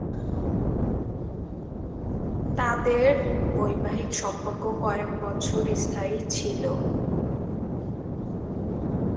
তাদের বৈবাহিক সম্পর্ক কয়েক বছর স্থায়ী ছিলো।